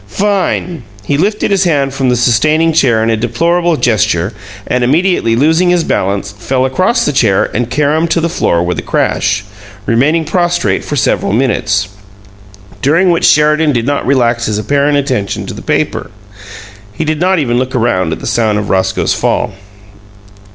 Fine!" He lifted his hand from the sustaining chair in a deplorable gesture, and, immediately losing his balance, fell across the chair and caromed to the floor with a crash, remaining prostrate for several minutes, during which Sheridan did not relax his apparent attention to the newspaper. He did not even look round at the sound of Roscoe's fall.